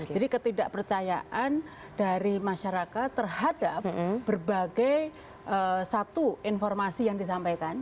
jadi ketidakpercayaan dari masyarakat terhadap berbagai satu informasi yang disampaikan